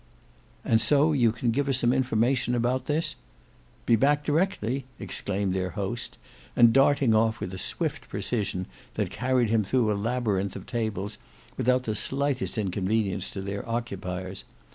"And so you can give us some information about this—" "Be back directly." exclaimed their host: and darting off with a swift precision, that carried him through a labyrinth of tables without the slightest inconvenience to their occupiers.